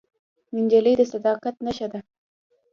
نجلۍ د صداقت نښه ده.